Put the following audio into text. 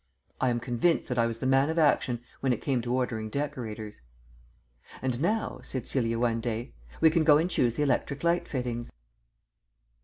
I am convinced that I was the man of action when it came to ordering decorators. "And now," said Celia one day, "we can go and choose the electric light fittings."